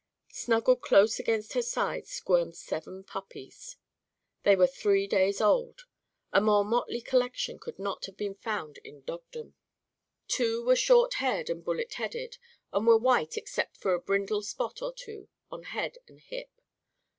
Snuggled close against her side squirmed seven puppies. They were three days old. A more motley collection could not have been found in dogdom. Two were short haired and bullet headed, and were white except for a brindle spot or two on head and hip.